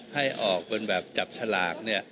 ให้ออกเป็นแบบจับฉลากเนี่ย